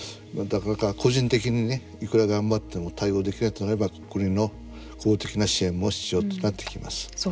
個人的にいくら頑張っても対応できないとなれば国の公的な支援も必要となってきます。